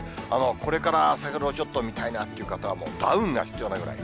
これから桜をちょっと見たいなっていう方は、もうダウンが必要なぐらい。